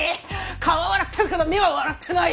顔は笑ってるけど目は笑ってない！